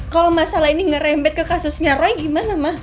kalau masalah ini ngerempet ke kasusnya roy gimana ma